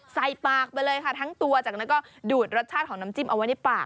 ใส่ปากไปเลยค่ะทั้งตัวจากนั้นก็ดูดรสชาติของน้ำจิ้มเอาไว้ในปาก